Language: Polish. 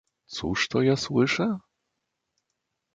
"cóż to ja słyszę?"